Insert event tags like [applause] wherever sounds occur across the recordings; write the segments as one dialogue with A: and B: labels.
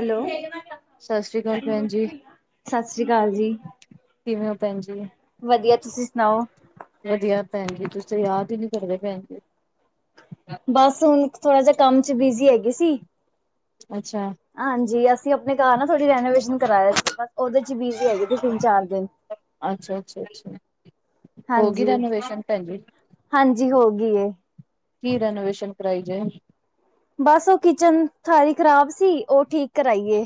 A: Hello
B: ਸਤਿ ਸ੍ਰੀ ਅਕਾਲ ਭੈਣ ਜੀ,
A: ਸਤਿ ਸ੍ਰੀ ਅਕਾਲ ਜੀ
B: ਕਿਵੇਂ ਹੋ ਭੈਣ ਜੀ?
A: ਵਧੀਆ ਤੁਸੀਂ ਸੁਣਾਓ?
B: ਵਧੀਆ ਭੈਣ ਜੀ ਤੁਸੀਂ ਯਾਦ ਹੀ ਨੀ ਕਰਦੇ ਭੈਣ ਜੀ।
A: ਬਸ ਹੁਣ ਥੋੜਾ ਜਿਹਾ ਕੰਮ ਚ ਬਿਜ਼ੀ ਹੈਗੇ ਸੀ।
B: ਅੱਛਾ
A: ਹਾਂਜੀ ਅਸੀਂ ਆਪਣੇ ਘਰ ਨਾ ਥੋੜ੍ਹੀ ਰੈਨਵੋਨੇਸ਼ਨ ਕਰਇਆ ਸੀ ਬੋੜਾ ਉਹਦੇ 'ਚ ਬਿਜੀ ਹੈਗੇ ਸੀ ਤਿੰਨ- ਚਾਰ ਦਿਨ।
B: ਅੱਛਾ- ਅੱਛਾ- ਅੱਛਾ, ਹੋ ਗਈ
A: ਹਾਂਜੀ
B: ਰੈਨੋਵੇਸ਼ਨ ਭੈਣਜੀ।
A: ਹਾਂਜੀ ਹੋ ਗਈ ਏ।
B: ਕੀ ਰੈਨੋਵੇਸ਼ਨ ਕਰਾਈ ਜੇ।
A: ਬਸ ਓ ਕਿਚਨ ਸਾਰੀ ਖ਼ਰਾਬ ਸੀ, ਓ ਠੀਕ ਕਰਾਈ ਏ।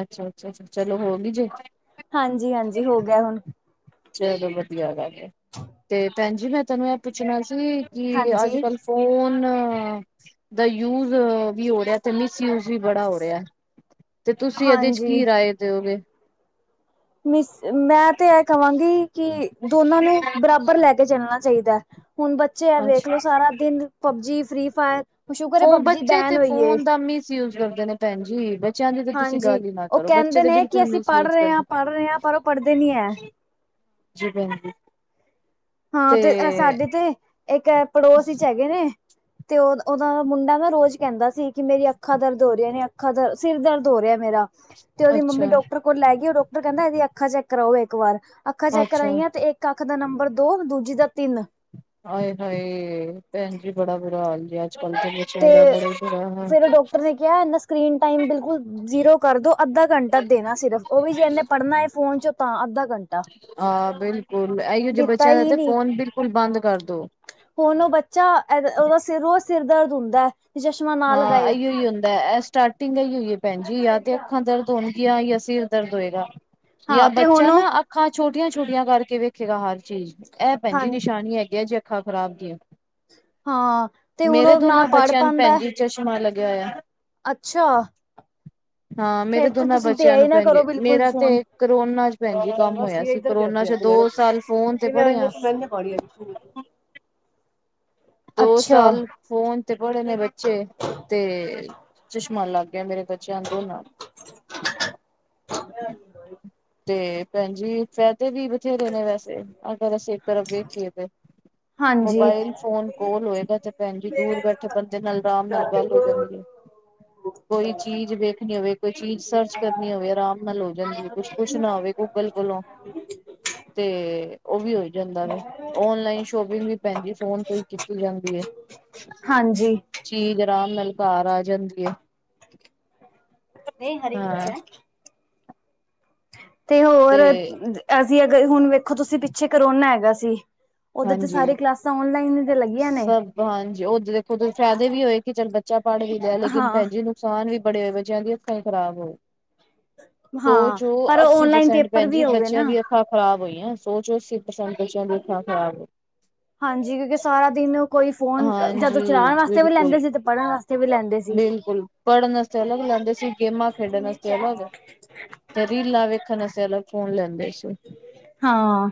B: ਅੱਛਾ-ਅੱਛਾ ਜੀ ਚਲੋ ਹੋ ਗਈ ਜੇ।
A: ਹਾਂਜੀ-ਹਾਂਜੀ ਹੋ ਗਿਆ ਹੁਣ।
B: ਚਲੋ ਵਧੀਆ ਗੱਲ ਏ ਤੇ ਭੈਣ ਜੀ ਮੈਂ ਤੁਆਨੂੰ ਐ ਪੁੱਛਣਾ ਸੀ ਕਿ
A: ਹਾਂਜੀ
B: ਅੱਜ-ਕੱਲ ਫੋਨ ਦਾ ਯੂਜ ਵੀ ਹੋ ਰਯਾ ਤੇ ਮਿਸਯੂਜ ਵੀ ਬੜਾ ਹੋ ਰਯਾ। ਤੇ ਤੁਸੀਂ ਏਦੇ 'ਚ ਕੀ
A: ਹਾਂਜੀ
B: ਰਾਏ ਦਿਉ ਗੇ।
A: ਮਿਸ ਮੈਂ ਤੇ ਐ ਕਵਾਂਗੀ ਕਿ ਦੋਨਾਂ ਨੂੰ ਬਰਾਬਰ ਲੈ ਕੇ ਚੱਲਨਾ ਚਾਈਦੈ। ਹੁਨ ਬੱਚੇ ਐ
B: ਅੱਛਾ।
A: ਵੇਖ ਲੋ ਸਾਰਾ ਦਿਨ ਪਬਜੀ, ਫਰੀ ਫਾਇਰ ਹੁਨ ਸ਼ੁਕਰ ਏ ਪਬਜੀ ਬੈਨ ਹੋਈ ਏ।
B: ਯੂਜ ਕਰਦੇ ਨੇ ਭੈਨ ਜੀ ਬੱ ਬੱਚੇਆਂ ਦੀ ਤਾਂ ਤੁਸੀਂ
A: ਹਾਂਜੀ,
B: ਗੱਲ ਈ ਨਾ
A: ਉਹ
B: ਕਰੋ ਬੱਚੇ
A: ਕਹਿੰਦੇ
B: ਦੇ
A: ਨੇ ਕਿ
B: ਬਿਲਕੁਲ
A: ਅਸੀਂ ਪੜ੍ਹ
B: ਮਿਸਯੂਜ
A: ਰਹੇ ਹਾਂ,
B: ਕਰਦੇ
A: ਪੜ੍ਹ ਰਹੇ ਹਾਂ ਪਰ ਉਹ ਪੜ੍ਹਦੇ ਨੀ ਹੈ।
B: ਜੀ ਭੈਨ ਜੀ।
A: ਹਾਂ ਤੇ ਐ ਸਾਡੇ ਤੇ ਇੱਕ ਐ ਪੜੋਸ 'ਚ ਹੈਗੇ ਨੇ। ਤੇ ਓ ਓਦਾ ਮੁੰਡਾ ਨਾ ਰੋਜ਼ ਕੈਂਦਾ ਸੀ ਕਿ ਮੇਰੀ ਅੱਖਾਂ ਦਰਦ ਹੋ ਰਿਆਂ ਨੇ ਅੱ ਅੱਖਾਂ ਦਰਦ, ਸਿਰ ਦਰਦ ਹੋ ਰਯਾ ਮੇਰਾ ਤੇ ਓਦੀ ਮੰਮੀ
B: ਅੱਛਾ
A: ਡਾਕਟਰ ਓ ਲੈ ਗੀ ਓ ਡਾਕਟਰ ਕੈਂਦਾ ਐਦੀ ਅੱਖਾਂ ਚੈੱਕ ਕਰਾਓ ਇੱਕ ਵਾਰ, ਅੱਖਾਂ ਚੈੱਕ
B: ਅੱਛਾ
A: ਕਰਵਾਈਆਂ ਤੇ ਇੱਕ ਅੱਖ ਦਾ ਨੰਬਰ ਦੋ ਦੂਜੀ ਦਾ ਤਿੰਨ।
B: ਆਏ-ਹਾਏ ਭੈਨ ਜੀ ਬੜਾ ਬੁਰਾਾ ਹਾਲ ਜੇ ਅੱਜ ਬੱਚੇਆਂ
A: ਤੇ
B: ਦਾ ਬੜਾ ਈ ਬੁਰਾ ਹਾਲ
A: ਫੇਰ ਓ ਡਾਕਟਰ ਨੇ ਕਯਾ ਏਂਦਾ ਸਕਰੀਨ ਟਾਈਮ ਬਿਲਕੁਲ ਜ਼ੀਰੋ ਕਰਦੋ, ਅੱਧਾ ਘੰਟਾ ਦੇਨਾ ਸਿਰਫ ਓ ਵੀ ਜੇ ਏਨੇ ਪੜ੍ਹਨਾ ਏ ਫੋਨ ਚੋਂ ਤਾਂ ਅੱਧਾ ਘੰਟਾ।
B: ਹਾਂ ਬਿਲਕੁਲ, ਅਈਓ ਜੇ
A: ਦਿੱਤਾ
B: ਬੱਚੇਆਂ ਦਾ ਤੇ ਫੋਨ ਬਿਲਕੁਲ ਬੰਦ ਕਰਦੋ।
A: ਹੁਨ ਓ ਬੱਚਾ ਏਦਾ ਓਦਾ ਸਿਰ ਰੋਜ਼ ਸਿਰ ਦਰਦ ਹੁੰਦੈ। ਚਸ਼ਮਾ
B: ਹਾਂ ਅਈਓ ਈ ਹੁੰਦੈ, ਐ ਸਟਾਰਟਿੰਗ ਅਈਓ ਈ ਐ ਭੈਣ ਜੀ ਯਾ ਤੇ ਅੱਖਾਂ ਦਰਦ [unintelligible] ਯਾ ਸਿਰ ਦਰਦ ਹੋਏਗਾ ਯਾ
A: ਹਾਂ ਤੇ ਹੁਣ
B: ਬੱਚਾ
A: ਉਹ
B: ਨਾਂ ਅੱਖ ਅੱਖਾਂ ਛੋਟੀਆਂ ਛੋਟੀਆਂ ਕਰਕੇ ਵੇਖੇਗਾ ਹਰ ਚੀਜ਼, ਐ ਭੈਨ
A: ਹਾਂ
B: ਜੀ ਨਿਸ਼ਾਨੀ ਹੈਗੀਆ ਜੇ ਅੱਖਾਂ ਖ਼ਰਾਬ ਦੀਆਂ।
A: ਹਾਂ ਤੇ ਹੁਨ ਓ ਨਾ ਪੜ੍ਹ ਪਾਂਦੈ।
B: ਚਸ਼ਮਾਂ ਲੱਗਿਆ ਹੋਏਆ।
A: ਅੱਛਾ!
B: ਹਾਂ ਮੇਰੇ
A: ਫੇਰ ਤੇ
B: ਦੋਨਾਂ
A: ਤੁਸੀਂ ਦੇ
B: ਬੱਚੇਆਂ ਨੂੰ
A: ਹੀ ਨਾ
B: ਭੈਨ ਜੀ
A: ਕਰੋ ਬਿਲਕੁਲ
B: ਮੇਰਾ ਤੇ
A: ਫੋਨ
B: ਕਰੋਨਾ 'ਚ ਭੈਣ ਜੀ ਕੰਮ
A: ਬਸ
B: ਹੋਏਆ
A: ਇਹ
B: ਸੀ।
A: ਇੱਧਰ
B: ਕਰੋਨਾ
A: ਕਰਦੇ ਆ
B: 'ਚ ਦੋ
A: ਲੈਣੇ ਪਣੇ
B: ਸਾਲ ਫੋਨ ਤੇ
A: ਇਹ ਮੈਂ
B: ਪੜ੍ਹੇ ਆ।
A: ਇਹਨਾਂ [unintelligible]
B: ਦੋ
A: ਅੱਛਾ
B: ਸਾਲ ਫੋਨ ਤੇ ਪੜ੍ਹੇ ਨੇ ਬੱਚੇ ਤੇ ਚਸ਼ਮਾ ਲੱਗ ਗਯਾ ਮੇਰੇ ਬੱਚੇਆਂ ਦੋਨਾਂ ਨੂੰ।
A: [inaudible]
B: ਤੇ ਭੈਨ ਜੀ ਫ਼ੈਦੇ ਵੀ ਬਥੇਰੇ ਨੇ ਵੈਸੇ ਅਗਰ ਅਸੀਂ ਇੱਕ ਤਰਫ ਵੇਖੀਏ ਤੇ
A: ਹਾਂਜੀ
B: ਮੋਬਾਇਲ ਫੋਨ ਕੋਲ ਹੋਏਗਾ ਤੇ ਭੈਨ ਜੀ ਦੂਰ ਬੈਠੇ ਬੰਦੇ ਨਾਲ ਆਰਾਮ ਨਾਲ ਗੱਲ ਹੋ ਜਾਂਦੀ ਐ। ਕੋਈ ਚੀਜ਼ ਵੇਖਨੀ ਹੋਵੇ, ਕੋਈ ਚੀਜ਼ ਸਰਚ ਕਰਨੀ ਹੋਵੇ, ਆਰਾਮ ਨਾਲ ਹੋ ਜਾਂਦੀ ਐ। ਕੁਛ ਪੁੱਛਨਾ ਹੋਵੇ ਗੂਗਲ ਕੋਲੋਂ ਤੇ ਓ ਵੀ ਹੋ ਜਾਂਦਾ ਵੇ ਓਨਲਾਈਨ ਸ਼ੋਪਿੰਗ ਵੀ ਭੈਨ ਜੀ ਫੋਨ ਤੋਂ ਈ ਕੀਤੀ ਜਾਂਦੀ ਏ।
A: ਹਾਂਜੀ।
B: ਚੀਜ਼ ਅਰਾਮ ਨਾਲ ਘਰ ਆ ਜਾਂਦੀ ਏ।
A: ਨਈ ਹਰੀ ਮਿਰਚ
B: ਹਾਂ।
A: ਐ। ਤੇ ਹੋਰ ਅਸੀਂ ਅਗਰ ਹੁਨ ਵੇਖੋ ਤੁਸੀਂ ਪਿੱਛੇ ਕਰੋਨਾ ਹੈਗਾ ਸੀ ਓਦੇ ਤੇ
B: ਹਾਂਜੀ
A: ਸਾਰੇ ਕਲਾਸਾਂ ਔਨਲਾਈਨ
B: ਸਭ ਹਾਂਜੀ, ਓ ਦੇਖੋ ਤੁਸੀ ਫੈਦੇ ਵੀ ਹੋਏ ਕਿ ਚੱਲ ਬੱਚਾ ਪੜ੍ਹ ਕੇ ਰੇਆ, ਲੇਕਿਨ
A: ਹਾਂ
B: ਭੈਣ ਜੀ ਨ ਨੁਕਸਾਨ ਵੀ ਬੜੇ ਹੋਏ, ਬੱਚਿਆਂ ਦੀਆ ਅੱਖਾ ਈ ਖਰਾਬ ਹੋ ਸੌ
A: ਹਾਂ
B: ਚੋਂ
A: ਪਰ
B: ਅੱਸੀ
A: ਓਨਲਾਈਨ
B: ਪ੍ਰਸੈਂਟ
A: ਪੇਪਰ
B: ਭੈਣ ਜੀ
A: ਵੀ ਹੋ ਗਏ
B: ਬੱਚਿਆਂ
A: ਨਾ
B: ਦੀ ਅੱਖਾਂ ਖਰਾਬ ਹੋਈਆਂ, ਸੌ ਚੋਂ ਅੱਸੀ ਪ੍ਰਸੈਂਟ ਬੱਚੇਆਂ ਦੀ ਅੱਖਾ ਖਰਾਬ
A: ਹਾਂਜੀ, ਕਿਉਂਕਿ ਸਾਰਾ ਦਿਨ ਕੋਈ ਫੋਨ
B: ਹਾਂਜੀ
A: ਜਦੋਂ ਚਲਾਣ ਵਾਸਤੇ ਵੀ
B: ਬਿਲਕੁਲ
A: ਲੈਂਦੇ ਸੀ, ਤੇ ਪੜ੍ਹਨ ਵਾਸਤੇ ਵੀ ਲੈਂਦੇ ਸੀ।
B: ਪੜਨ ਆਸਤੇ ਅਲੱਗ ਲੈਂਦੇ ਸੀ, ਗੇਮਾਂ ਖੇਡਣ ਆਸਤੇ ਅਲੱਗ। ਤੇ ਰੀਲਾਂ ਵੇਖਣ ਆਸਤੇ ਅਲੱਗ ਫੋਨ ਲੈਂਦੇ ਸੀ।
A: ਹਾਂ।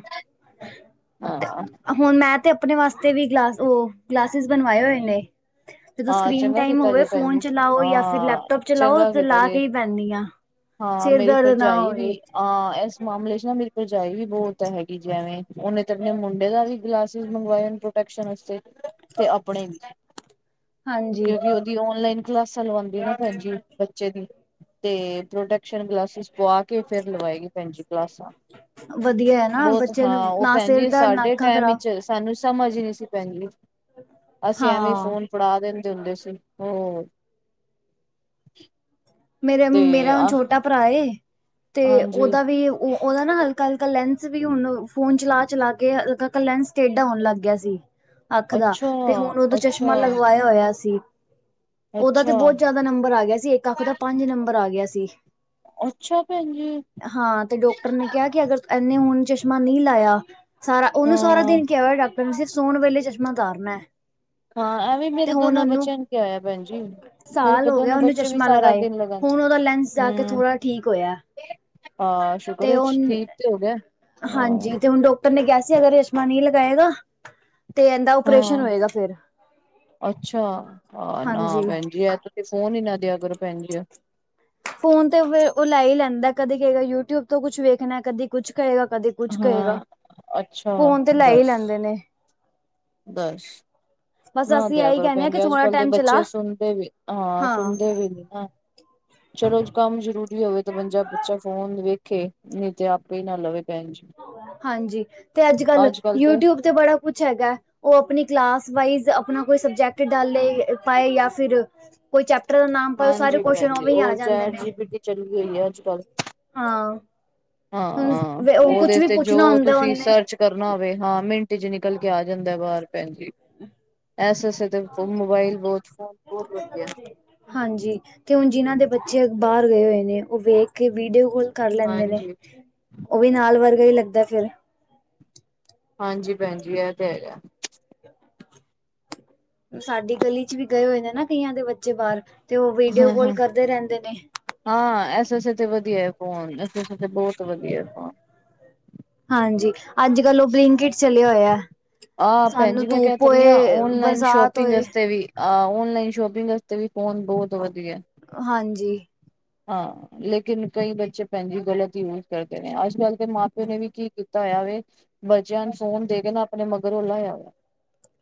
B: ਹਾਂ
A: ਹੁਣ, ਮੈਂ ਤੇ ਆਪਣੇ ਵਾਸਤੇ ਵੀ ਗਲਾਸ ਉਹ ਗਲਾਸਿਸ ਬਣਵਾਏ ਹੋਏ ਨੇ।
B: [inaudible]
A: ਜਦੋਂ
B: ਹਾਂ
A: ਸਕਰੀਨ
B: ਚੰਗਾ
A: ਟਾਈਮ
B: ਕੀਤਾ
A: ਹੋਵੇ
B: ਜੇ ਭੈਣ ਜੀ
A: ਫੋਨ ਚਲਾਓ ਜਾਂ ਫਿਰ
B: ਹਾਂ,
A: ਲੈਪਟੋਪ ਚਲਾਓ
B: ਚੰਗਾ
A: ਤੇ
B: ਕੀਤਾ
A: ਲਾ
B: ਜੇ।
A: ਕੇ ਹੀ ਬਹਿੰਦੀ ਹਾਂ।
B: ਹਾਂ,
A: ਸਿਰ
B: ਮੇਰੀ
A: ਦਰਦ ਨਾ
B: ਭਰਜਾਈ
A: ਹੋਵੇ
B: ਵੀ ਆਂ ਏਸ ਮਾਮਲੇ ਚ ਨਾ ਮੇਰੀ ਭਰਜਾਈ ਵੀ ਬੋਤ ਹੈਗੀ ਜੇ ਐਵੇਂ ਓਨੇ ਤੇ ਆਪਣੇ ਮੁੰਡੇ ਦਾ ਵੀ ਗਲਾਸਿਸ ਮੰਗਵਾਏ ਹਨ ਪ੍ਰੋਟੈਕਸ਼ਨ ਆਸਤੇ, ਤੇ ਅਪਨੇ ਵੀ।
A: ਹਾਂਜੀ।
B: ਕਿਉਂਕਿ ਓਦੀ ਔਨਲਾਈਨ ਕਲਾਸਾਂ ਲਵਾਂਦੀ ਆ ਨਾ ਫੇਰ ਚੇ ਦੀ ਤੇ ਪ੍ਰੋਟਕਸ਼ਨ ਗਲਾਸਿਸ ਪਵਾ ਕੇ, ਫੇਰ ਲਵਾਏਗੀ ਭੈਣਜੀ ਕਲਾਸਾਂ।
A: ਵਧੀਆ ਹੈ ਨਾ
B: ਬੋਤ
A: ਬੱਚੇ ਨੂੰ
B: ਹਾਂ, ਓ
A: ਨਾ
B: ਭੈਣ
A: ਸਿਰ
B: ਜੀ
A: ਦਰਦ ਨਾ
B: ਸਾਡੇ
A: ਅੱਖਾਂ
B: ਟਾਈਮ
A: ਖ਼ਰਾਬ
B: ਚ ਸਾਨੂੰ ਸਮਝ ਈਨੀ ਸੀ ਭੈਣਜੀ, ਅਸੀ ਐਵੇਂ ਈ
A: ਹਾਂ।
B: ਫੋਨ ਫੜਾ ਦਿੰਦੇ ਹੁੰਦੇ ਸੀ ਹੋਰ।
A: ਮੇਰੇ
B: ਤੇ
A: ਮੇਰਾ ਛੋਟਾ ਭਰਾ ਏ, ਤੇ
B: ਹਾਂਜੀ
A: ਓਦਾ ਵੀ ਉ ਓਦਾ ਨਾ ਹਲਕਾ-ਹਲਕਾ ਲੈਂਸ ਵੀ ਹੁਣ ਫੋਨ ਚਲਾ-ਚਲਾ ਕੇ ਹਲਕਾ ਕ ਲੈਂਸ ਟੇਡਾ ਹੋਣ ਲੱਗ ਗਯਾ ਸੀ। ਅੱਖ ਦਾ
B: ਅੱਛਾ,
A: ਤੇ ਹੁਣ, ਓਦੋਂ
B: ਅੱਛਾ,
A: ਚਸ਼ਮਾ ਲਗਵਾਇਆ ਹੋਯਾ ਸੀ। ਓਦਾ ਤੇ
B: ਅੱਛਾ,
A: ਬੋਤ ਜਾਦਾ ਨੰਬਰ ਆ ਗਿਆ ਸੀ, ਇੱਕ ਅੱਖ ਦਾ ਪੰਜ ਨੰਬਰ ਆ ਗਯਾ ਸੀ।
B: ਅੱਛਾ, ਭੈਣ ਜੀ!
A: ਹਾਂ, ਤੇ ਡਾਕਟਰ ਨੇ ਕੇਆ ਕਿ ਅਗਰ ਏਨੇ ਹੁਨ ਚਸ਼ਮਾ ਨੀ ਲਾਯਾ ਸਾਰਾ ਓਨੂੰ ਸਾਰਾ
B: ਹਾਂ,
A: ਦਿਨ ਕੇਆ ਹੋਯਾ ਡਾਕਟਰ ਨੇ ਸਿਰਫ ਸੋਣ ਵੇਲੇ ਚਸ਼ਮਾ ਤਾਰਨੈ।
B: ਹਾਂ, ਐਵੇਂ ਮੇਰੇ ਦੋਨਾਂ ਬੱਚਿਆਂ ਨੂੰ ਕੇਆਂ ਹੋਇਆ ਭੈਣ ਜੀ,
A: ਸਾਲ
B: ਮੇਰੇ
A: ਹੋ ਗਿਆ
B: ਦੋਨੋ
A: ਉਹਨੂੰ
B: ਬੱਚੇ ਵੀ
A: ਚਸ਼ਮਾ
B: ਸਾਰਾ
A: ਲਗਾਏ
B: ਦਿਨ ਲੱ
A: ਹੁਣ ਓਦਾ ਲੈਂਸ ਜਾ ਕੇ ਥੋੜਾ ਠੀਕ ਹੋਇਆ।
B: ਹਾਂ, ਸੁਕਰ
A: ਤੇ
B: ਏ ਚ
A: ਉਹ
B: ਠੀਕ ਤੇ ਹੋ ਗੇਆ, ਹਾਂ।
A: ਹਾਂਜੀ ਤੇ ਹੁਣ ਡਾਕਟਰ ਨੇ ਕੇਆ ਸੀ ਅਗਰ ਚਸ਼ਮਾ ਨਈਂ ਲਗਾਏਗਾ ਤੇ ਏਨਦਾ ਓਪਰੇਸ਼ਨ
B: ਹਾਂ।
A: ਹੋਏਗਾ ਫੇਰ,
B: ਅੱਛਾ,
A: ਹਾਂਜੀ।
B: ਤੇ ਫੋਨ ਈ ਨਾ ਦੇਆ ਕਰੋ, ਭੈਣਜੀ।
A: ਫੋਨ ਤੇ ਫੇਰ ਓ ਲੈਈ ਲੈਂਦਾ ਕਦੇ ਕਏਗਾ ਯੂਟਿਊਬ ਤੋਂ ਕੁਛ ਵੇਖਣਾ, ਕਦੇ ਕੁਛ ਕਏਗਾ ਕਦੇ ਕੁਛ ਕਏਗਾ
B: ਹਾਂ, ਅੱਛਾ
A: ਫੋਨ ਤੇ ਲੈਈ
B: ਦੱਸ,
A: ਲੈਂਦੇ ਨੇ।
B: ਦੱਸ।
A: ਬਸ
B: ਨਾ
A: ਅਸੀਂ
B: ਦੇਆ
A: ਇਹੀ
B: ਕਰੋ
A: ਕਹਿੰਦੇ ਹਾਂ ਕਿ
B: ਭੈਣਜੀ,
A: ਥੋੜਾ
B: ਅੱਜ-ਕੱਲ ਦੇ
A: ਟਾਈਮ ਚਲਾ
B: ਬੱਚੇ ਸੁਣਦੇ ਵੀ ਹਾਂ, ਸੁਣਦੇ ਵੀ ਨੀ ਨਾ। ਚਲੋ, ਕੰਮ ਜਰੂਰੀ ਹੋਵੇ ਤਾਂ ਬੰਦਾ ਬੱਚਾ ਫੋਨ ਵੇਖੇ, ਨਈਂ ਤੇ ਆਪੇ ਈ ਨਾ ਲਵੇ। ਭੈਣ ਜੀ।
A: ਹਾਂਜੀ, ਤੇ ਅੱਜ-ਕੱਲ
B: ਅੱਜ ਕੱਲ
A: ਯੂਟਿਊਬ ਤੇ ਬੜਾ ਕੁਛ ਹੈਗਾ। ਓ ਅਪਨੀ ਕਲਾਸ ਵਾਈਜ ਅਪਨਾ ਕੋਈ ਸਬਜੈਕਟ ਡਾਲੇ, ਪਾਏ ਯਾਂ ਫਿਰ ਕੋਈ ਚੈਪਟਰ ਦਾ ਨਾਮ ਪਵੇ, ਸਾਰੇ
B: ਹਾਂਜੀ ਭੈਣ
A: ਕੋਸ਼ਚਣ
B: ਜੀ
A: ਓਵੇਂ ਈ ਆ
B: ਉਹ
A: ਜਾਂਦੇ
B: ਚੈਟ
A: ਨੇ।
B: ਜੀ ਪੀ ਟੀ ਚੱਲੀ
A: ਹਾਂ।
B: ਹਾਂ-ਹਾਂ,
A: ਹੁਣ ਕੁਛ
B: ਓਦੇ
A: ਵੀ
B: ਤੇ ਜੋ
A: ਪੁੱਛਣਾ ਹੁੰਦਾ
B: ਤੁਸੀਂ
A: ਉਹਨੇ
B: ਸਰਚ ਕਰਨਾ ਹੋਵੇ ਹਾਂ, ਮਿੰਟ ਚ ਨਿਕਲ ਕੇ ਆ ਜਾਂਦੈ ਬਾਰ ਭੈਣ ਜੀ ਐਸਸ ਮੋਬਾਇਲ ਫੋਨ ਬੋਤ-ਬੋਤ ਵਧੀਆ।
A: ਹਾਂਜੀ, ਤੇ ਹੁਣ ਜਿਨਾਂ ਦੇ ਬੱਚੇ ਬਾਹਰ ਗਏ ਹੋਏ ਨੇ ਉਹ ਵੇਖਕੇ ਵੀਡੀਓ ਕੋਲ ਕਰ ਲੈਂਦੇ ਨੇ,
B: ਹਾਂਜੀ।
A: ਉਹ ਵੀ ਨਾਲ ਵਰਗਾ ਈ ਲੱਗਦਾ ਫਿਰ।
B: ਹਾਂਜੀ ਭੈਣਜੀ, ਐ ਤੇ ਹੈਗਾ।
A: ਸਾਡੀ ਗਲੀ'ਚ ਵੀ ਗਏ ਹੋਏ ਨੇ ਨਾ ਕਈਆਂ ਦੇ ਬੱਚੇ ਬਾਹਰ, ਤੇ ਉਹ ਵੀਡੀਓ
B: ਹਾਂ
A: ਕੋਲ
B: ਹਾਂ
A: ਕਰਦੇ ਰਹਿੰਦੇ ਨੇ।
B: ਹਾਂ, ਐਸੇ ਅਸਤੇ ਵਧੀਆ ਏ ਫੋਨ, ਇਸ ਅਸਤੇ ਤੇ ਬਹੁਤ ਵਧੀਆ ਏ ਫੋਨ।
A: ਹਾਂਜੀ, ਅੱਜ-ਕੱਲ ਉਹ ਬਲਿੰਕੀਟ ਚਲਿਆ ਹੋਇਆ।
B: ਆਹ ਭੈਣ
A: ਸਾਨੂੰ
B: ਜੀ ਮੈਂ ਕਹਿ
A: ਧੂਪ
B: ਤਾ ਰਹੀ ਹਾਂ,
A: ਹੋਏ
B: ਔਨਲਾਈਨ
A: ਬਰਸਾਤ
B: ਸ਼ੋਪਿੰਗ
A: ਹੋਏ
B: ਅਸਤੇ ਵੀ ਆ ਔਨਲਾਈਨ ਸ਼ੋਪਿੰਗ ਵਾਸਤੇ ਵੀ, ਫੋਨ ਬਹੁਤ ਵਧੀਆ।
A: ਹਾਂਜੀ।
B: ਹਾਂ ਲੇਕਿਨ ਕਈ ਬੱਚੇ ਭੈਣਜੀ ਗ਼ਲਤ ਯੂਜ ਕਰਦੇ ਨੇ, ਅੱਜ-ਕੱਲ ਤੇ ਮਾਂ-ਪਿਓ ਨੇ ਵੀ ਕੀ ਕੀਤਾ ਹੋਇਆ ਵੇ ਬੱਚਿਆਂ ਨੂੰ ਫੋਨ ਦੇਕੇ ਨਾ ਆਪਣੇ ਮਗਰੋਂ ਲਾਇਆ ਵੇ।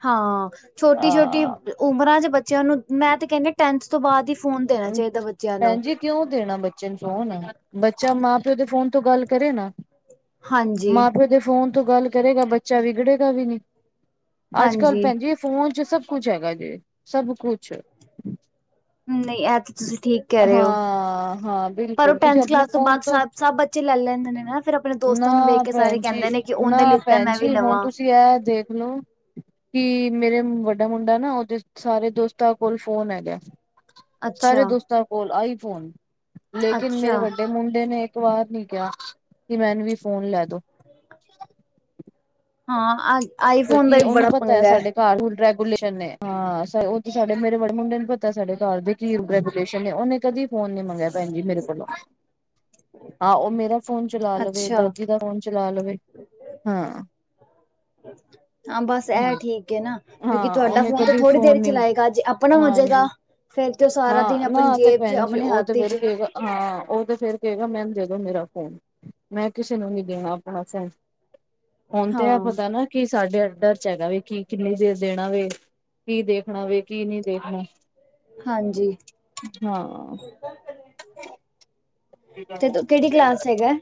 A: ਹਾਂ ਛੋਟੀ-ਛੋਟੀ ਉਮਰਾਂ'ਚ ਬੱਚਿਆਂ ਨੂੰ, ਮੈਂ ਤੇ ਕਹਿੰਨੀ ਆ ਟੈਂਨਥ ਤੋਂ ਬਾਅਦ ਈ ਫੋਨ ਦੇਣਾ ਚਾਹੀਦਾ ਬੱਚਿਆਂ ਨੂੰ।
B: ਭੈਣ ਜੀ ਕਿਉਂ ਦੇਣਾ ਬੱਚੇ ਨੂੰ ਫੋਨ? ਬੱਚਾ ਮਾਂ-ਪਿਓ ਦੇ ਫੋਨ ਤੋਂ ਗੱਲ ਕਰੇ ਨਾ।
A: ਹਾਂਜੀ
B: ਮਾਂ-ਪਿਓ ਦੇ ਫ਼ੋਨ ਤੋਂ ਗੱਲ ਕਰੇਗਾ ਬੱਚਾ ਵਿਗੜੇਗਾ ਵੀ ਨਹੀ। ਅੱਜ-ਕੱਲ
A: ਹਾਂਜੀ
B: ਭੈਣ ਜੀ ਫੋਨ'ਚ ਸਭ ਕੁਛ ਹੈਗਾ ਜੇ, ਸਭ ਕੁਛ।
A: ਨਹੀਂ, ਇਹ ਤਾਂ ਤੁਸੀਂ ਠੀਕ ਕਹਿ ਰਹੇ ਓ,
B: ਹਾਂ ਹਾਂ
A: ਪਰ ਉਹ
B: ਬਿਲਕੁਲ ਤੁਸੀਂ
A: ਟੈਂਨਥ
B: ਆਪਣੇ
A: ਕਲਾਸ ਤੋਂ
B: ਫੋਨ
A: ਬਾਅਦ ਸਭ, ਸਭ ਬੱਚੇ ਲੈ ਲੈਂਦੇ ਨੇ ਨਾ‌‌। ਫਿਰ ਅਪਣੇ ਦੋਸਤਾਂ ਨੂੰ
B: ਨਾ
A: ਵੇਖਕੇ ਸਾਰੇ
B: ਭੈਣ
A: ਕਹਿੰਦੇ ਨੇ, ਕਿ ਉਹਨੇ ਲਿੱਤਾ ਮੈਂ ਵੀ ਲਵਾਂ‌।
B: ਯਾ, ਦੇਖਲੋ। ਕੀ, ਮੇਰੇ ਵੱਡਾ ਮੁੰਡਾ ਨਾ ਉਹਦੇ ਸਾਰੇ ਦੋਸਤਾਂ ਕੋਲ ਫੋਨ ਹੈਗਾ। ਸਾਰੇ
A: ਅੱਛਾ
B: ਦੋਸਤਾਂ ਕੋਲ ਆਈਫੋਨ, ਲੇਕਿਨ ਮੇਰੇ
A: ਅੱਛਾ
B: ਵੱਡੇ ਮੁੰਡੇ ਨੇ ਤੋ ਬਾਦ ਨੀ ਕਿਹਾ, ਕਿ ਮੈਨੂੰ ਵੀ ਫੋਨ ਲੈਦੋ।
A: ਹਾਂ, ਆ
B: ਕਿਉਂਕਿ, ਉਹਨੂੰ ਪਤਾ ਐ ਸਾਡੇ ਘਰ ਹੁ ਡਰੈ ਲੇਸ਼ਨ ਨੇ, ਹਾਂ, ਉਹ ਤੇ ਸਾਡੇ ਮੇਰੇ ਬੜੇ ਮੁੰਡੇ ਨੂੰ ਪਤਾ ਸਾਡੇ ਘਰ ਦੇ ਕੀ ਰੈਗੂਲੇਸ਼ਨ ਨੇ, ਉਹਨੇ ਕਦੀ ਫੋਨ ਨੀ ਮੰਗਿਆ ਭੈਣ ਜੀ ਮੇਰੇ ਕੋਲੋ, ਆ ਉਹ ਮੇਰਾ ਫੋਨ ਚਲਾ ਲਵੇ,
A: ਅੱਛਾ
B: ਦਾਦੀ ਦਾ ਫੋਨ ਚਲਾ ਲਵੇ, ਹਾਂ।
A: [inaudible] ਹਾਂ ਬਸ, ਐ ਠੀਕ ਏ ਨਾ, ਕਿਉਂਕਿ
B: ਹਾਂ
A: ਤੁਹਾਡਾ
B: ਉਹਨੇ
A: ਫੋਨ ਤੇ
B: ਕਦੀ
A: ਥੋੜੀ ਦੇਰ
B: ਨੀ
A: ਚਲਾਏਗਾ, ਜੇ ਆਪਣਾ
B: ਹਾਂਜੀ
A: ਹੋਜੇਗਾ ਫਿਰ ਤੇ ਉਹ ਸਾਰਾ ਦਿਨ
B: ਹਾਂ ਨਾ
A: ਆਪਣੀ
B: ਤੇ
A: ਜੇਬ'ਚ,
B: ਭੈਣ ਜੀ
A: ਆਪਣੇ
B: ਉਹ ਤੇ ਫੇਰ
A: ਹੱਥੀ'ਚ
B: ਕਹੇਗਾ ਹਾਂ, ਉਹ ਤੇ ਫਿਰ ਕੇਗਾ, ਮੈਨੂੰ ਦੇਦੋ ਮੇਰਾ ਫੋਨ। ਮੈਂ ਕਿਸੇ ਨੂੰ ਨੂੰ ਨੀ ਦੇਣਾ, ਆਪਣਾ ਫੋਨ। ਹੁਣ ਤੇ ਐ
A: ਹਾਂ
B: ਪਤਾ ਨਾ ਕਿ ਸਾਡੇ ਅੰਡਰ'ਚ ਹੈਗਾ ਵੇ ਕਿ ਕਿੰਨੀ ਦੇਰ ਦੇਣਾ ਵੇ। ਕੀ ਦੇਖਣਾ ਵੇ, ਕੀ ਨਹੀਂ ਦੇਖਣਾ।
A: ਹਾਂਜੀ।
B: ਹਾਂ।
A: ਤੇ, ਤੂ ਕਿਹੜੀ ਕਲਾਸ'ਚ ਹੈਗਾ?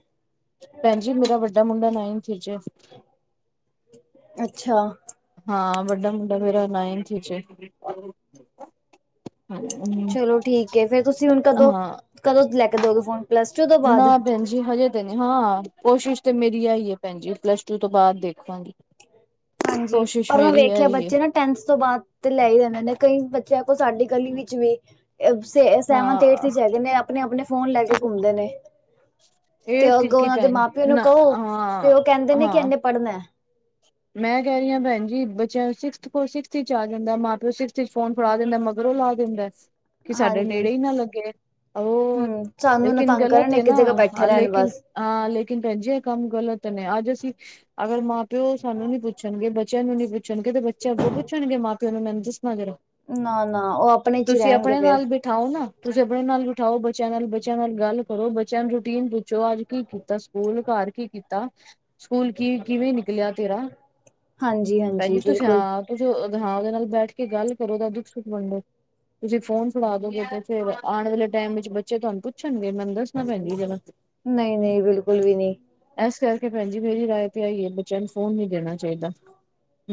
B: ਭੈਣ ਜੀ ਮੇਰਾ ਵੱਡਾ ਮੁੰਡਾ ਨਾਈਂਥ'ਚ ਏ।
A: ਅੱਛਾ।
B: ਹਾਂ, ਵੱਡਾ ਮੁੰਡਾ ਮੇਰਾ ਨਾਈੰਨਥ'ਚ ਏ।
A: ਚਲੋ ਠੀਕ ਏ, ਫੇਰ ਤੁਸੀਂ ਹੁਣ ਕਦੋਂ,
B: ਹਾਂ
A: ਕਦੋਂ ਲੈਕੇ ਦੋਗੇ ਫੋਨ? ਪਲੱਸ ਟੂ ਤੋਂ
B: ਨਾ
A: ਬਾਅਦ
B: ਭੈਣ ਜੀ ਹਜੇ ਤੇ ਨੀ ਹਾਂ, ਕੋਸ਼ਿਸ਼ ਤੇ ਮੇਰੀ ਐਈ ਏ। ਭੈਣਜੀ ਪਲੱਸ-ਟੂ ਤੋਂ ਬਾਅਦ ਦੇਖਾਂਗੀ।
A: ਹਾਂਜੀ,
B: ਕੋਸ਼ਿਸ਼
A: ਪਰ ਮੈਂ
B: ਮੇਰੀ
A: ਵੇਖਿਆ
B: ਇਹੀ ਏ
A: ਬੱਚੇ ਨਾ ਟੈਂਨਥ ਤੋ ਬਾਅਦ ਤੇ ਲੈ ਈ ਆਂਦੇ ਨੇ ਕਈ ਬੱਚੇ ਸਾਡੀ ਗਲੀ ਵਿੱਚ ਵੀ ਨੇ, ਐ ਸੇ ਸੈਵੰਥ ਏਰਥ
B: ਹਾਂ
A: ਵਿੱਚ ਹੈਗੇ ਨੇ, ਐਹ ਆਪਣੇ-ਆਪਣੇ ਫੋਨ ਲੈ ਕੇ ਘੁੰਮਦੇ ਨੇ।
B: ਇਹ
A: ਤੇ ਅੱਗੋਂ
B: ਤਿਰਕੀ
A: ਉਨਾਂ ਦੇ
B: ਭੈਣ
A: ਮਾਂ-ਪਿਓ ਨੂੰ
B: ਨਾ
A: ਕਓ, ਤੇ
B: ਹਾਂ
A: ਓਹ ਕਹਿੰਦੇ ਨੇ ਕਿ
B: ਹਾਂ
A: ਐਨੇ ਪੜ੍ਹਨੈ
B: ਮੈਂ ਕੈਹ ਰੀ ਆਂ ਭੈਨ ਜੀ ਬੱਚਿਆਂ ਸਿਕਸਥ ਕੋਲ ਸਿਕਸਥ ਸਿਕਸਥ ਇਚ ਆ ਜਾਂਦੈ ਮਾਂ-ਪਿਓ ਸਿਕਸਥ ਇਚ ਫੋਨ ਫੜਾ ਦੇਂਦੈ, ਮਗਰੋਂ ਲਾ ਦੇਂਦੈ। ਕਿ ਸਾਡੇ
A: ਹਾਂਜੀ
B: ਨੇੜੇ ਈ ਨਾ ਲੱਗੇ, ਔਰ,
A: ਹਮ ਸਾਨੂੰ ਨਾ
B: ਲੇਕਿਨ
A: ਤੰਗ
B: ਗਲਤ
A: ਕਰਨ
B: ਏ
A: ਇੱਕ ਜਗ੍ਹਾ ਬੈਠੇ
B: ਨਾ
A: ਰਹਿਣ
B: ਲੇਕਿਨ
A: ਬਸ
B: ਹਾਂ, ਲੇਕਿਨ ਭੈਨਜੀ ਏ ਕੰਮ ਗ਼ਲਤ ਨੇ, ਅੱਜ ਅਸੀਂ ਅਗਰ ਮਾਂ ਪਿਓ ਸਾਨੂੰ ਨੀ ਪੁੱਛਨਗੇ ਬੱਚਿਆਂ ਨੂੰ ਨੀ ਪੁੱਛਣਗੇ ਤੇ ਬੱਚੇ ਅੱਗੋਂ ਪੁੱਛਣਗੇ ਮਾਂ-ਪਿਓ ਨੂੰ, ਮੈਨ ਦੱਸਣਾ ਜਰਾ।
A: ਨਾ-ਨਾ, ਓਹ ਆਪਣੇ ਚ ਈ ਰਹਿਣਗੇ ਫੇਰ।
B: ਠਾਓ ਨਾ ਤੁਸੀਂ ਆਪਣੇ ਨਾਲ ਬਿਠਾਓ ਬੱਚਿਆਂ ਨਾਲ ਬੱਚਿਆਂ ਨਾਲ ਗੱਲ ਕਰੋ। ਬੱਚਿਆਂ ਨੂੰ ਰੂਟੀਨ ਪੁ ਛੋ ਅੱਜ ਕੀ ਕੀਤਾ ਸਕੂਲ, ਘਰ ਕੀ ਕੀਤਾ, ਸਕੂਲ ਕੀ ਕਿਵੇਂ ਨਿਕਲਿਆ, ਤੇਰਾ?
A: ਹਾਂਜੀ ਹਾਂਜੀ
B: ਭੈਨਜੀ ਤੁਸੀਂ
A: ਬਿਲਕੁਲ
B: ਆਪ ਤੁਸੀ ਓਹਦੇ ਨਾਲ ਬੈਠ ਕੇ ਗੱਲ ਕਰੋ, ਓਦਾ ਦੁੱਖ-ਸੁੱਖ ਵੰਡੋ। ਤੁਸੀਂ ਫੋਨ ਫੜਾ ਦੋਂਗੇ ਤੇ ਫੇਰ ਆਣ ਵਾਲੇ ਟੈਮ ਵਿੱਚ ਬੱਚੇ ਤੁਹਾਨੂੰ ਪੁੱਛਣਗੇ। ਮੈਨ ਦਸ ਪੁੱਛਣਾ ਭੈਨਜੀ, ਜਰਾ।
A: ਨਹੀਂ ਨਹੀਂ ਬਿਲਕੁਲ ਵੀ ਨਹੀਂ
B: ਐਸ ਕਰਕੇ ਭੈਣ ਜੀ ਮੇਰੀ ਰਾਏ ਤੇ ਐਈ ਐ ਬੱਚਿਆਂ ਨੂੰ ਫੋਨ ਨੀ ਦੇਣਾ ਚਾਈਦਾ।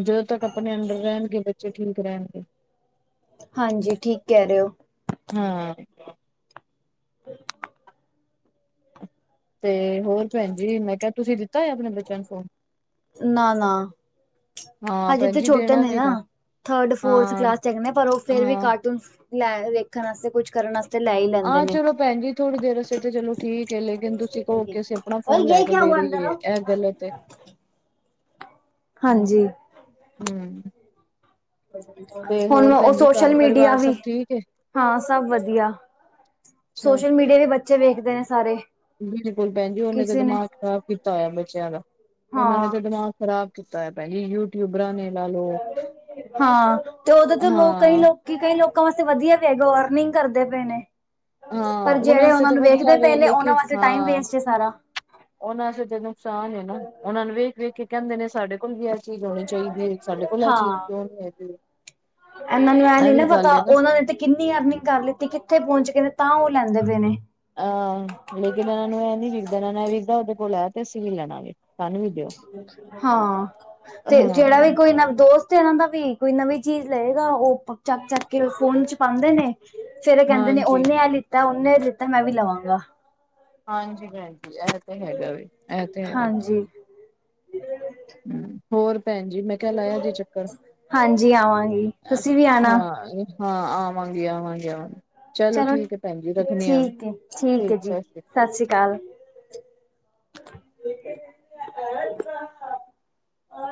B: ਜਦੋਂ ਤੱਕ ਆਪਣੇ ਅੰਡਰ ਰਹਿਣਗੇ ਬੱਚੇ, ਠੀਕ ਰਹਿਣਗੇ।
A: ਹਾਂਜੀ, ਠੀਕ ਕੈਹ ਰਹੇ ਓ।
B: ਹਾਂ।
A: [inaudible]
B: ਤੇ ਹੋਰ ਭੈਣ ਜੀ, ਮੈਂ ਕਿਆ ਤੁਸੀਂ ਦਿੱਤਾ ਹੋਇਐ ਆਪਣੇ ਬੱਚਿਆਂ ਨੂੰ ਫੋਨ?
A: ਨਾ-ਨਾ।
B: ਹਾਂ
A: ਹਜੇ
B: ਭੈਣ
A: ਤੇ
B: ਜੀ
A: ਛੋਟੇ
B: ਦੇਣਾ
A: ਨੇ
B: ਵੀ
A: ਨਾ, ਥਰਡ-ਫੋਰਥ
B: ਹਾਂ
A: ਕਲਾਸ ਚ ਹੇਗੈ ਨੇ, ਪਰ ਓ ਫੇਰ ਵੀ
B: ਹਾਂ
A: ਕਾਰਟੂਨਸ ਲੈ ਵੇਖਣ ਆਸਤੇ, ਕੁਛ ਕਰਨ ਆਸਤੇ
B: ਆਂ ਚਲੋ ਭੈਨ ਜੀ ਥੋੜੀ ਦੇਰ ਆਸਤੇ ਤੇ ਚਲੋ ਠੀਕ ਏ ਲੇਕਿਨ ਤੁਸੀਂ ਕੳ ਕੇ ਅਸੀਂ ਆਪਣਾ
A: ਓਏ
B: ਫੋਨ ਲੈ
A: ਯੇ
B: ਕੇ
A: ਕਿਆ
B: ਦੇ
A: ਹੁਆ ਅੰਦਰ
B: ਦੇਈਏ
A: ਆਓ।
B: ਇਹ ਗਲਤ ਹੈ, ਹੁੰ,
A: ਹਾਂਜੀ
B: ਹੁੰ।
A: ਹੁਨ ਓਹ
B: ਭੈਣ ਜੀ ਘਰ
A: ਸੋਸ਼ਲ-ਮੀਡੀਆ
B: ਪਰਿਵਾਰ
A: ਵੀ।
B: ਸਭ ਠੀਕ ਹੈ
A: ਹਾਂ, ਸਭ ਵਦੀਆ।
B: ਅੱਛਾ
A: ਸੋਸ਼ਲ-ਮੀਡੀਆ ਵੀ ਬੱਚੇ ਵੇਖਦੇ ਨੇ ਸਾਰੇ।
B: ਬਿਲਕੁਲ ਭੈਨ ਜੀ ਓਨੇ ਤੇ
A: ਕਿਸੇ ਨੇ
B: ਦਿਮਾਗ ਖਰਾਬ ਕੀਤਾ ਹੋਇਆ ਬੱਚਿਆਂ ਦਾ। ਓਨਾਂ ਨੇ
A: ਹਾਂ
B: ਤਾਂ ਦਿਮਾਗ ਖਰਾਬ ਕੀਤਾ ਹੋਇਆ ਏ, ਭੈਨ ਜੀ। ਯੂ ਟਊਬਰਾ ਨੇ ਨਾਲ
A: ਹਾਂ, ਤੇ ਓਹ ਤੇ ਚਲੋ ਕਈ
B: ਹਾਂ
A: ਲੋਕ ਕਿ ਕਈ ਲੋਕਾਂ ਵਾਸਤੇ ਵਧੀਆ ਵੀ ਹੈਗਾ, ਓ ਅਰਨਿੰਗ ਕਰਦੇ ਪਏ ਨੇ।
B: ਹਾਂ
A: ਪਰ
B: ਉਹਨਾਂ
A: ਜਿਹੜੇ
B: ਵਾਸਤੇ
A: ਓਨਾ
B: ਤਾਂ
A: ਨੂੰ ਵੇਖਦੇ
B: ਵਧੀਆ
A: ਪਏ
B: ਵੇ
A: ਨੇ, ਓਨਾਂ ਵਾਸਤੇ ਟਾਈਮ ਵੇਸਟ ਏ ਸਾਰਾ।
B: ਉਨਾਂ ਆਸਤੇ ਤੇ ਨੁਕਸਾਨ ਏ ਨਾ। ਓਹਨਾ ਨੂੰ ਵੇਖ-ਵੇਖ ਕੇ ਕਹਿੰਦੇ ਨੇ ਸਾਡੇ ਕੋਲ ਵੀ ਐ ਚੀਜ ਹੋਨੀ ਚਾਹੀਦੀ ਏ। ਸਾਡੇ ਕੋਲ ਐਹ ਚੀਜ ਕਿਓਂ ਨੀ ਹੈਗੀ।
A: ਏਨਾਂ ਨੂੰ ਐਂ
B: ਇਹ
A: ਨੀ
B: ਵੀ
A: ਨਾ ਪਤਾ
B: ਗੱਲ ਏ
A: ਉਨਾਂ ਨੇ ਤੇ ਕਿੰਨੀ ਅਰਨਿੰਗ ਕਰ ਲੀ ਕਿ ਕਿੱਥੇ ਪਹੁੰਚ ਗਏ ਨੇ ਤਾਂ ਓਹ ਲੈਂਦੇ ਪਏ ਨੇ।
B: ਆ ਲੇਕਿਨ ਐਨਾਂ ਨੂੰ ਏਹ ਨੀ ਵਿਖਦਾ ਐਨਾਂ ਨੇ ਵਿਖਦਾ ਓਹਦੇ ਕੋਲ ਹੈ ਤੇ ਅਸੀਂ ਵੀ ਲੈਣਾਂ ਏ। ਸਾਨੂੰ ਵੀ ਦਿਓ।
A: ਹਾਂ ਤੇ
B: ਹਾਂ
A: ਜਿਹੜਾ ਵੀ ਕੋਈ ਨਵਜੋਸ਼ ਤੇ ਐਹਨਾਂ ਦਾ ਵੀ ਕੋਈ ਨਵੀਂ ਚੀਜ਼ ਲਏਗਾ, ਓਹ ਚੱਕ-ਚੱਕ ਕੇ ਫੋਨ ਚ ਪਾਂਦੇ ਨੇ, ਫੇਰ ਐ ਕੇਂਦੇ ਨੇ
B: ਹਾਂਜੀ
A: ਓਨੇ ਐ ਲਿੱਤਾ ਓਨੇ ਓ ਲਿੱਤਾ, ਮੈਂ ਵੀ ਲਵਾਂਗਾ।
B: ਹਾਂਜੀ-ਹਾਂਜੀ ਐ ਤੇ ਹੈਗਾ ਵੇ ਐ ਤੇ ਹੈਗਾ
A: ਹਾਂਜੀ
B: ਹੋਰ ਭੈਨਜੀ, ਮੈਂ ਕਿਆ ਲਾਇਆ ਜੇ ਚੱਕਰ
A: ਹਾਂਜੀ ਆਵਾਂਗੀ,
B: ਹਾਂ
A: ਤੁਸੀਂ ਵੀ ਆਣਾ।
B: ਹਾਂ ਆਵਾਂਗੀ, ਆਵਾਂਗੀ, ਆਵਾਂਗੀ। ਚਲੋ ਠੀਕ ਹੈ ਭੈਣ ਜੀ ਰੱਖਣੀ ਆ, ਠੀਕ ਐ
A: ਸਸ ਸ਼੍ਰੀ ਅਕਾਲ।
B: [inaudible]